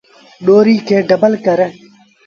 ڏوريٚ کي ڊبل ڪر۔